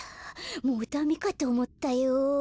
もうダメかとおもったよ。